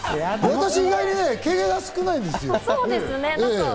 私、意外に毛が少ないんです。